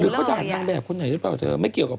เขาด่านางแบบคนไหนหรือเปล่าเธอไม่เกี่ยวกับ